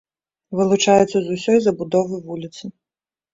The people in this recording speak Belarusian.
Вылучаецца з усёй забудовы вуліцы.